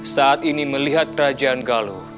saat ini melihat kerajaan galuh